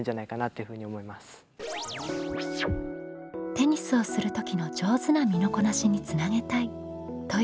「テニスをする時の上手な身のこなしにつなげたい」というはるなさん。